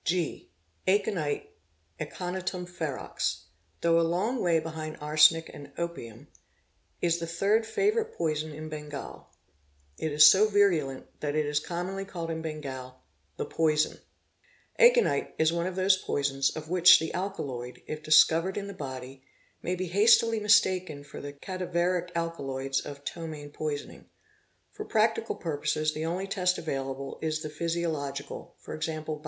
| (9) Aconite, Aconitum ferox, though a long way behind arsenic and opium, is the third favourite poison in Bengal; it is so virulent that it is commonly called in Bengal "the poison" (Bish or Bikh), Ativarsa (Telugu), Nabe (Tamil). Aconite is one of those poisons of which the alkaloid, if discovered in the body, may be hastily mistaken for the cadaveric alkaloids of ptomaine' poisoning. For practical purposes the only test available is the physiological, 7.e.